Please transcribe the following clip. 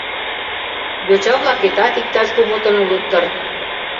Йоча-влакетат иктаж кумытын улыт дыр?